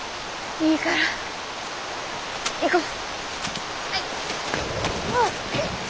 いいから行こう。